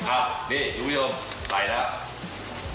อ้าวนี่ทุกวิโยมไปแล้ว